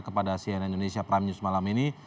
kepada cnn indonesia prime news malam ini